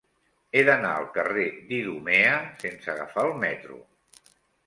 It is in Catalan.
He d'anar al carrer d'Idumea sense agafar el metro.